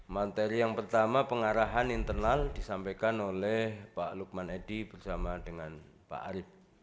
materi yang pertama pengarahan internal disampaikan oleh pak lukman edi bersama dengan pak arief